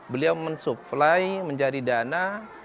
beliau mensuplai menjadi dana